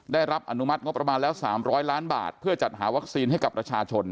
ได้รับอนุมัติงบประมาณแล้ว๓๐๐ล้านบาทเพื่อจัดหาวัคซีนให้กับประชาชน